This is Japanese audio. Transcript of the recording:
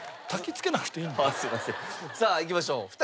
さあいきましょう。